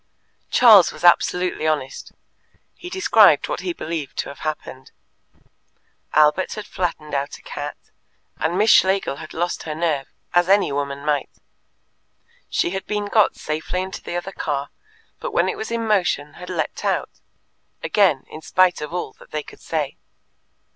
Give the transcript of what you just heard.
Charles was absolutely honest. He described what he believed to have happened. Albert had flattened out a cat, and Miss Schlegel had lost her nerve, as any woman might. She had been got safely into the other car, but when it was in motion had leapt out again, in spite of all that they could say.